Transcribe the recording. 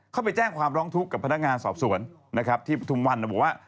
เขาไปแจ้งความร้องทุกข์กับพนักงานสอบส่วนทุมวันบอกว่า